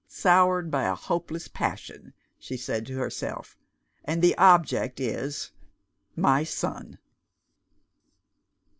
"Soured by a hopeless passion," she said to herself. "And the object is my son."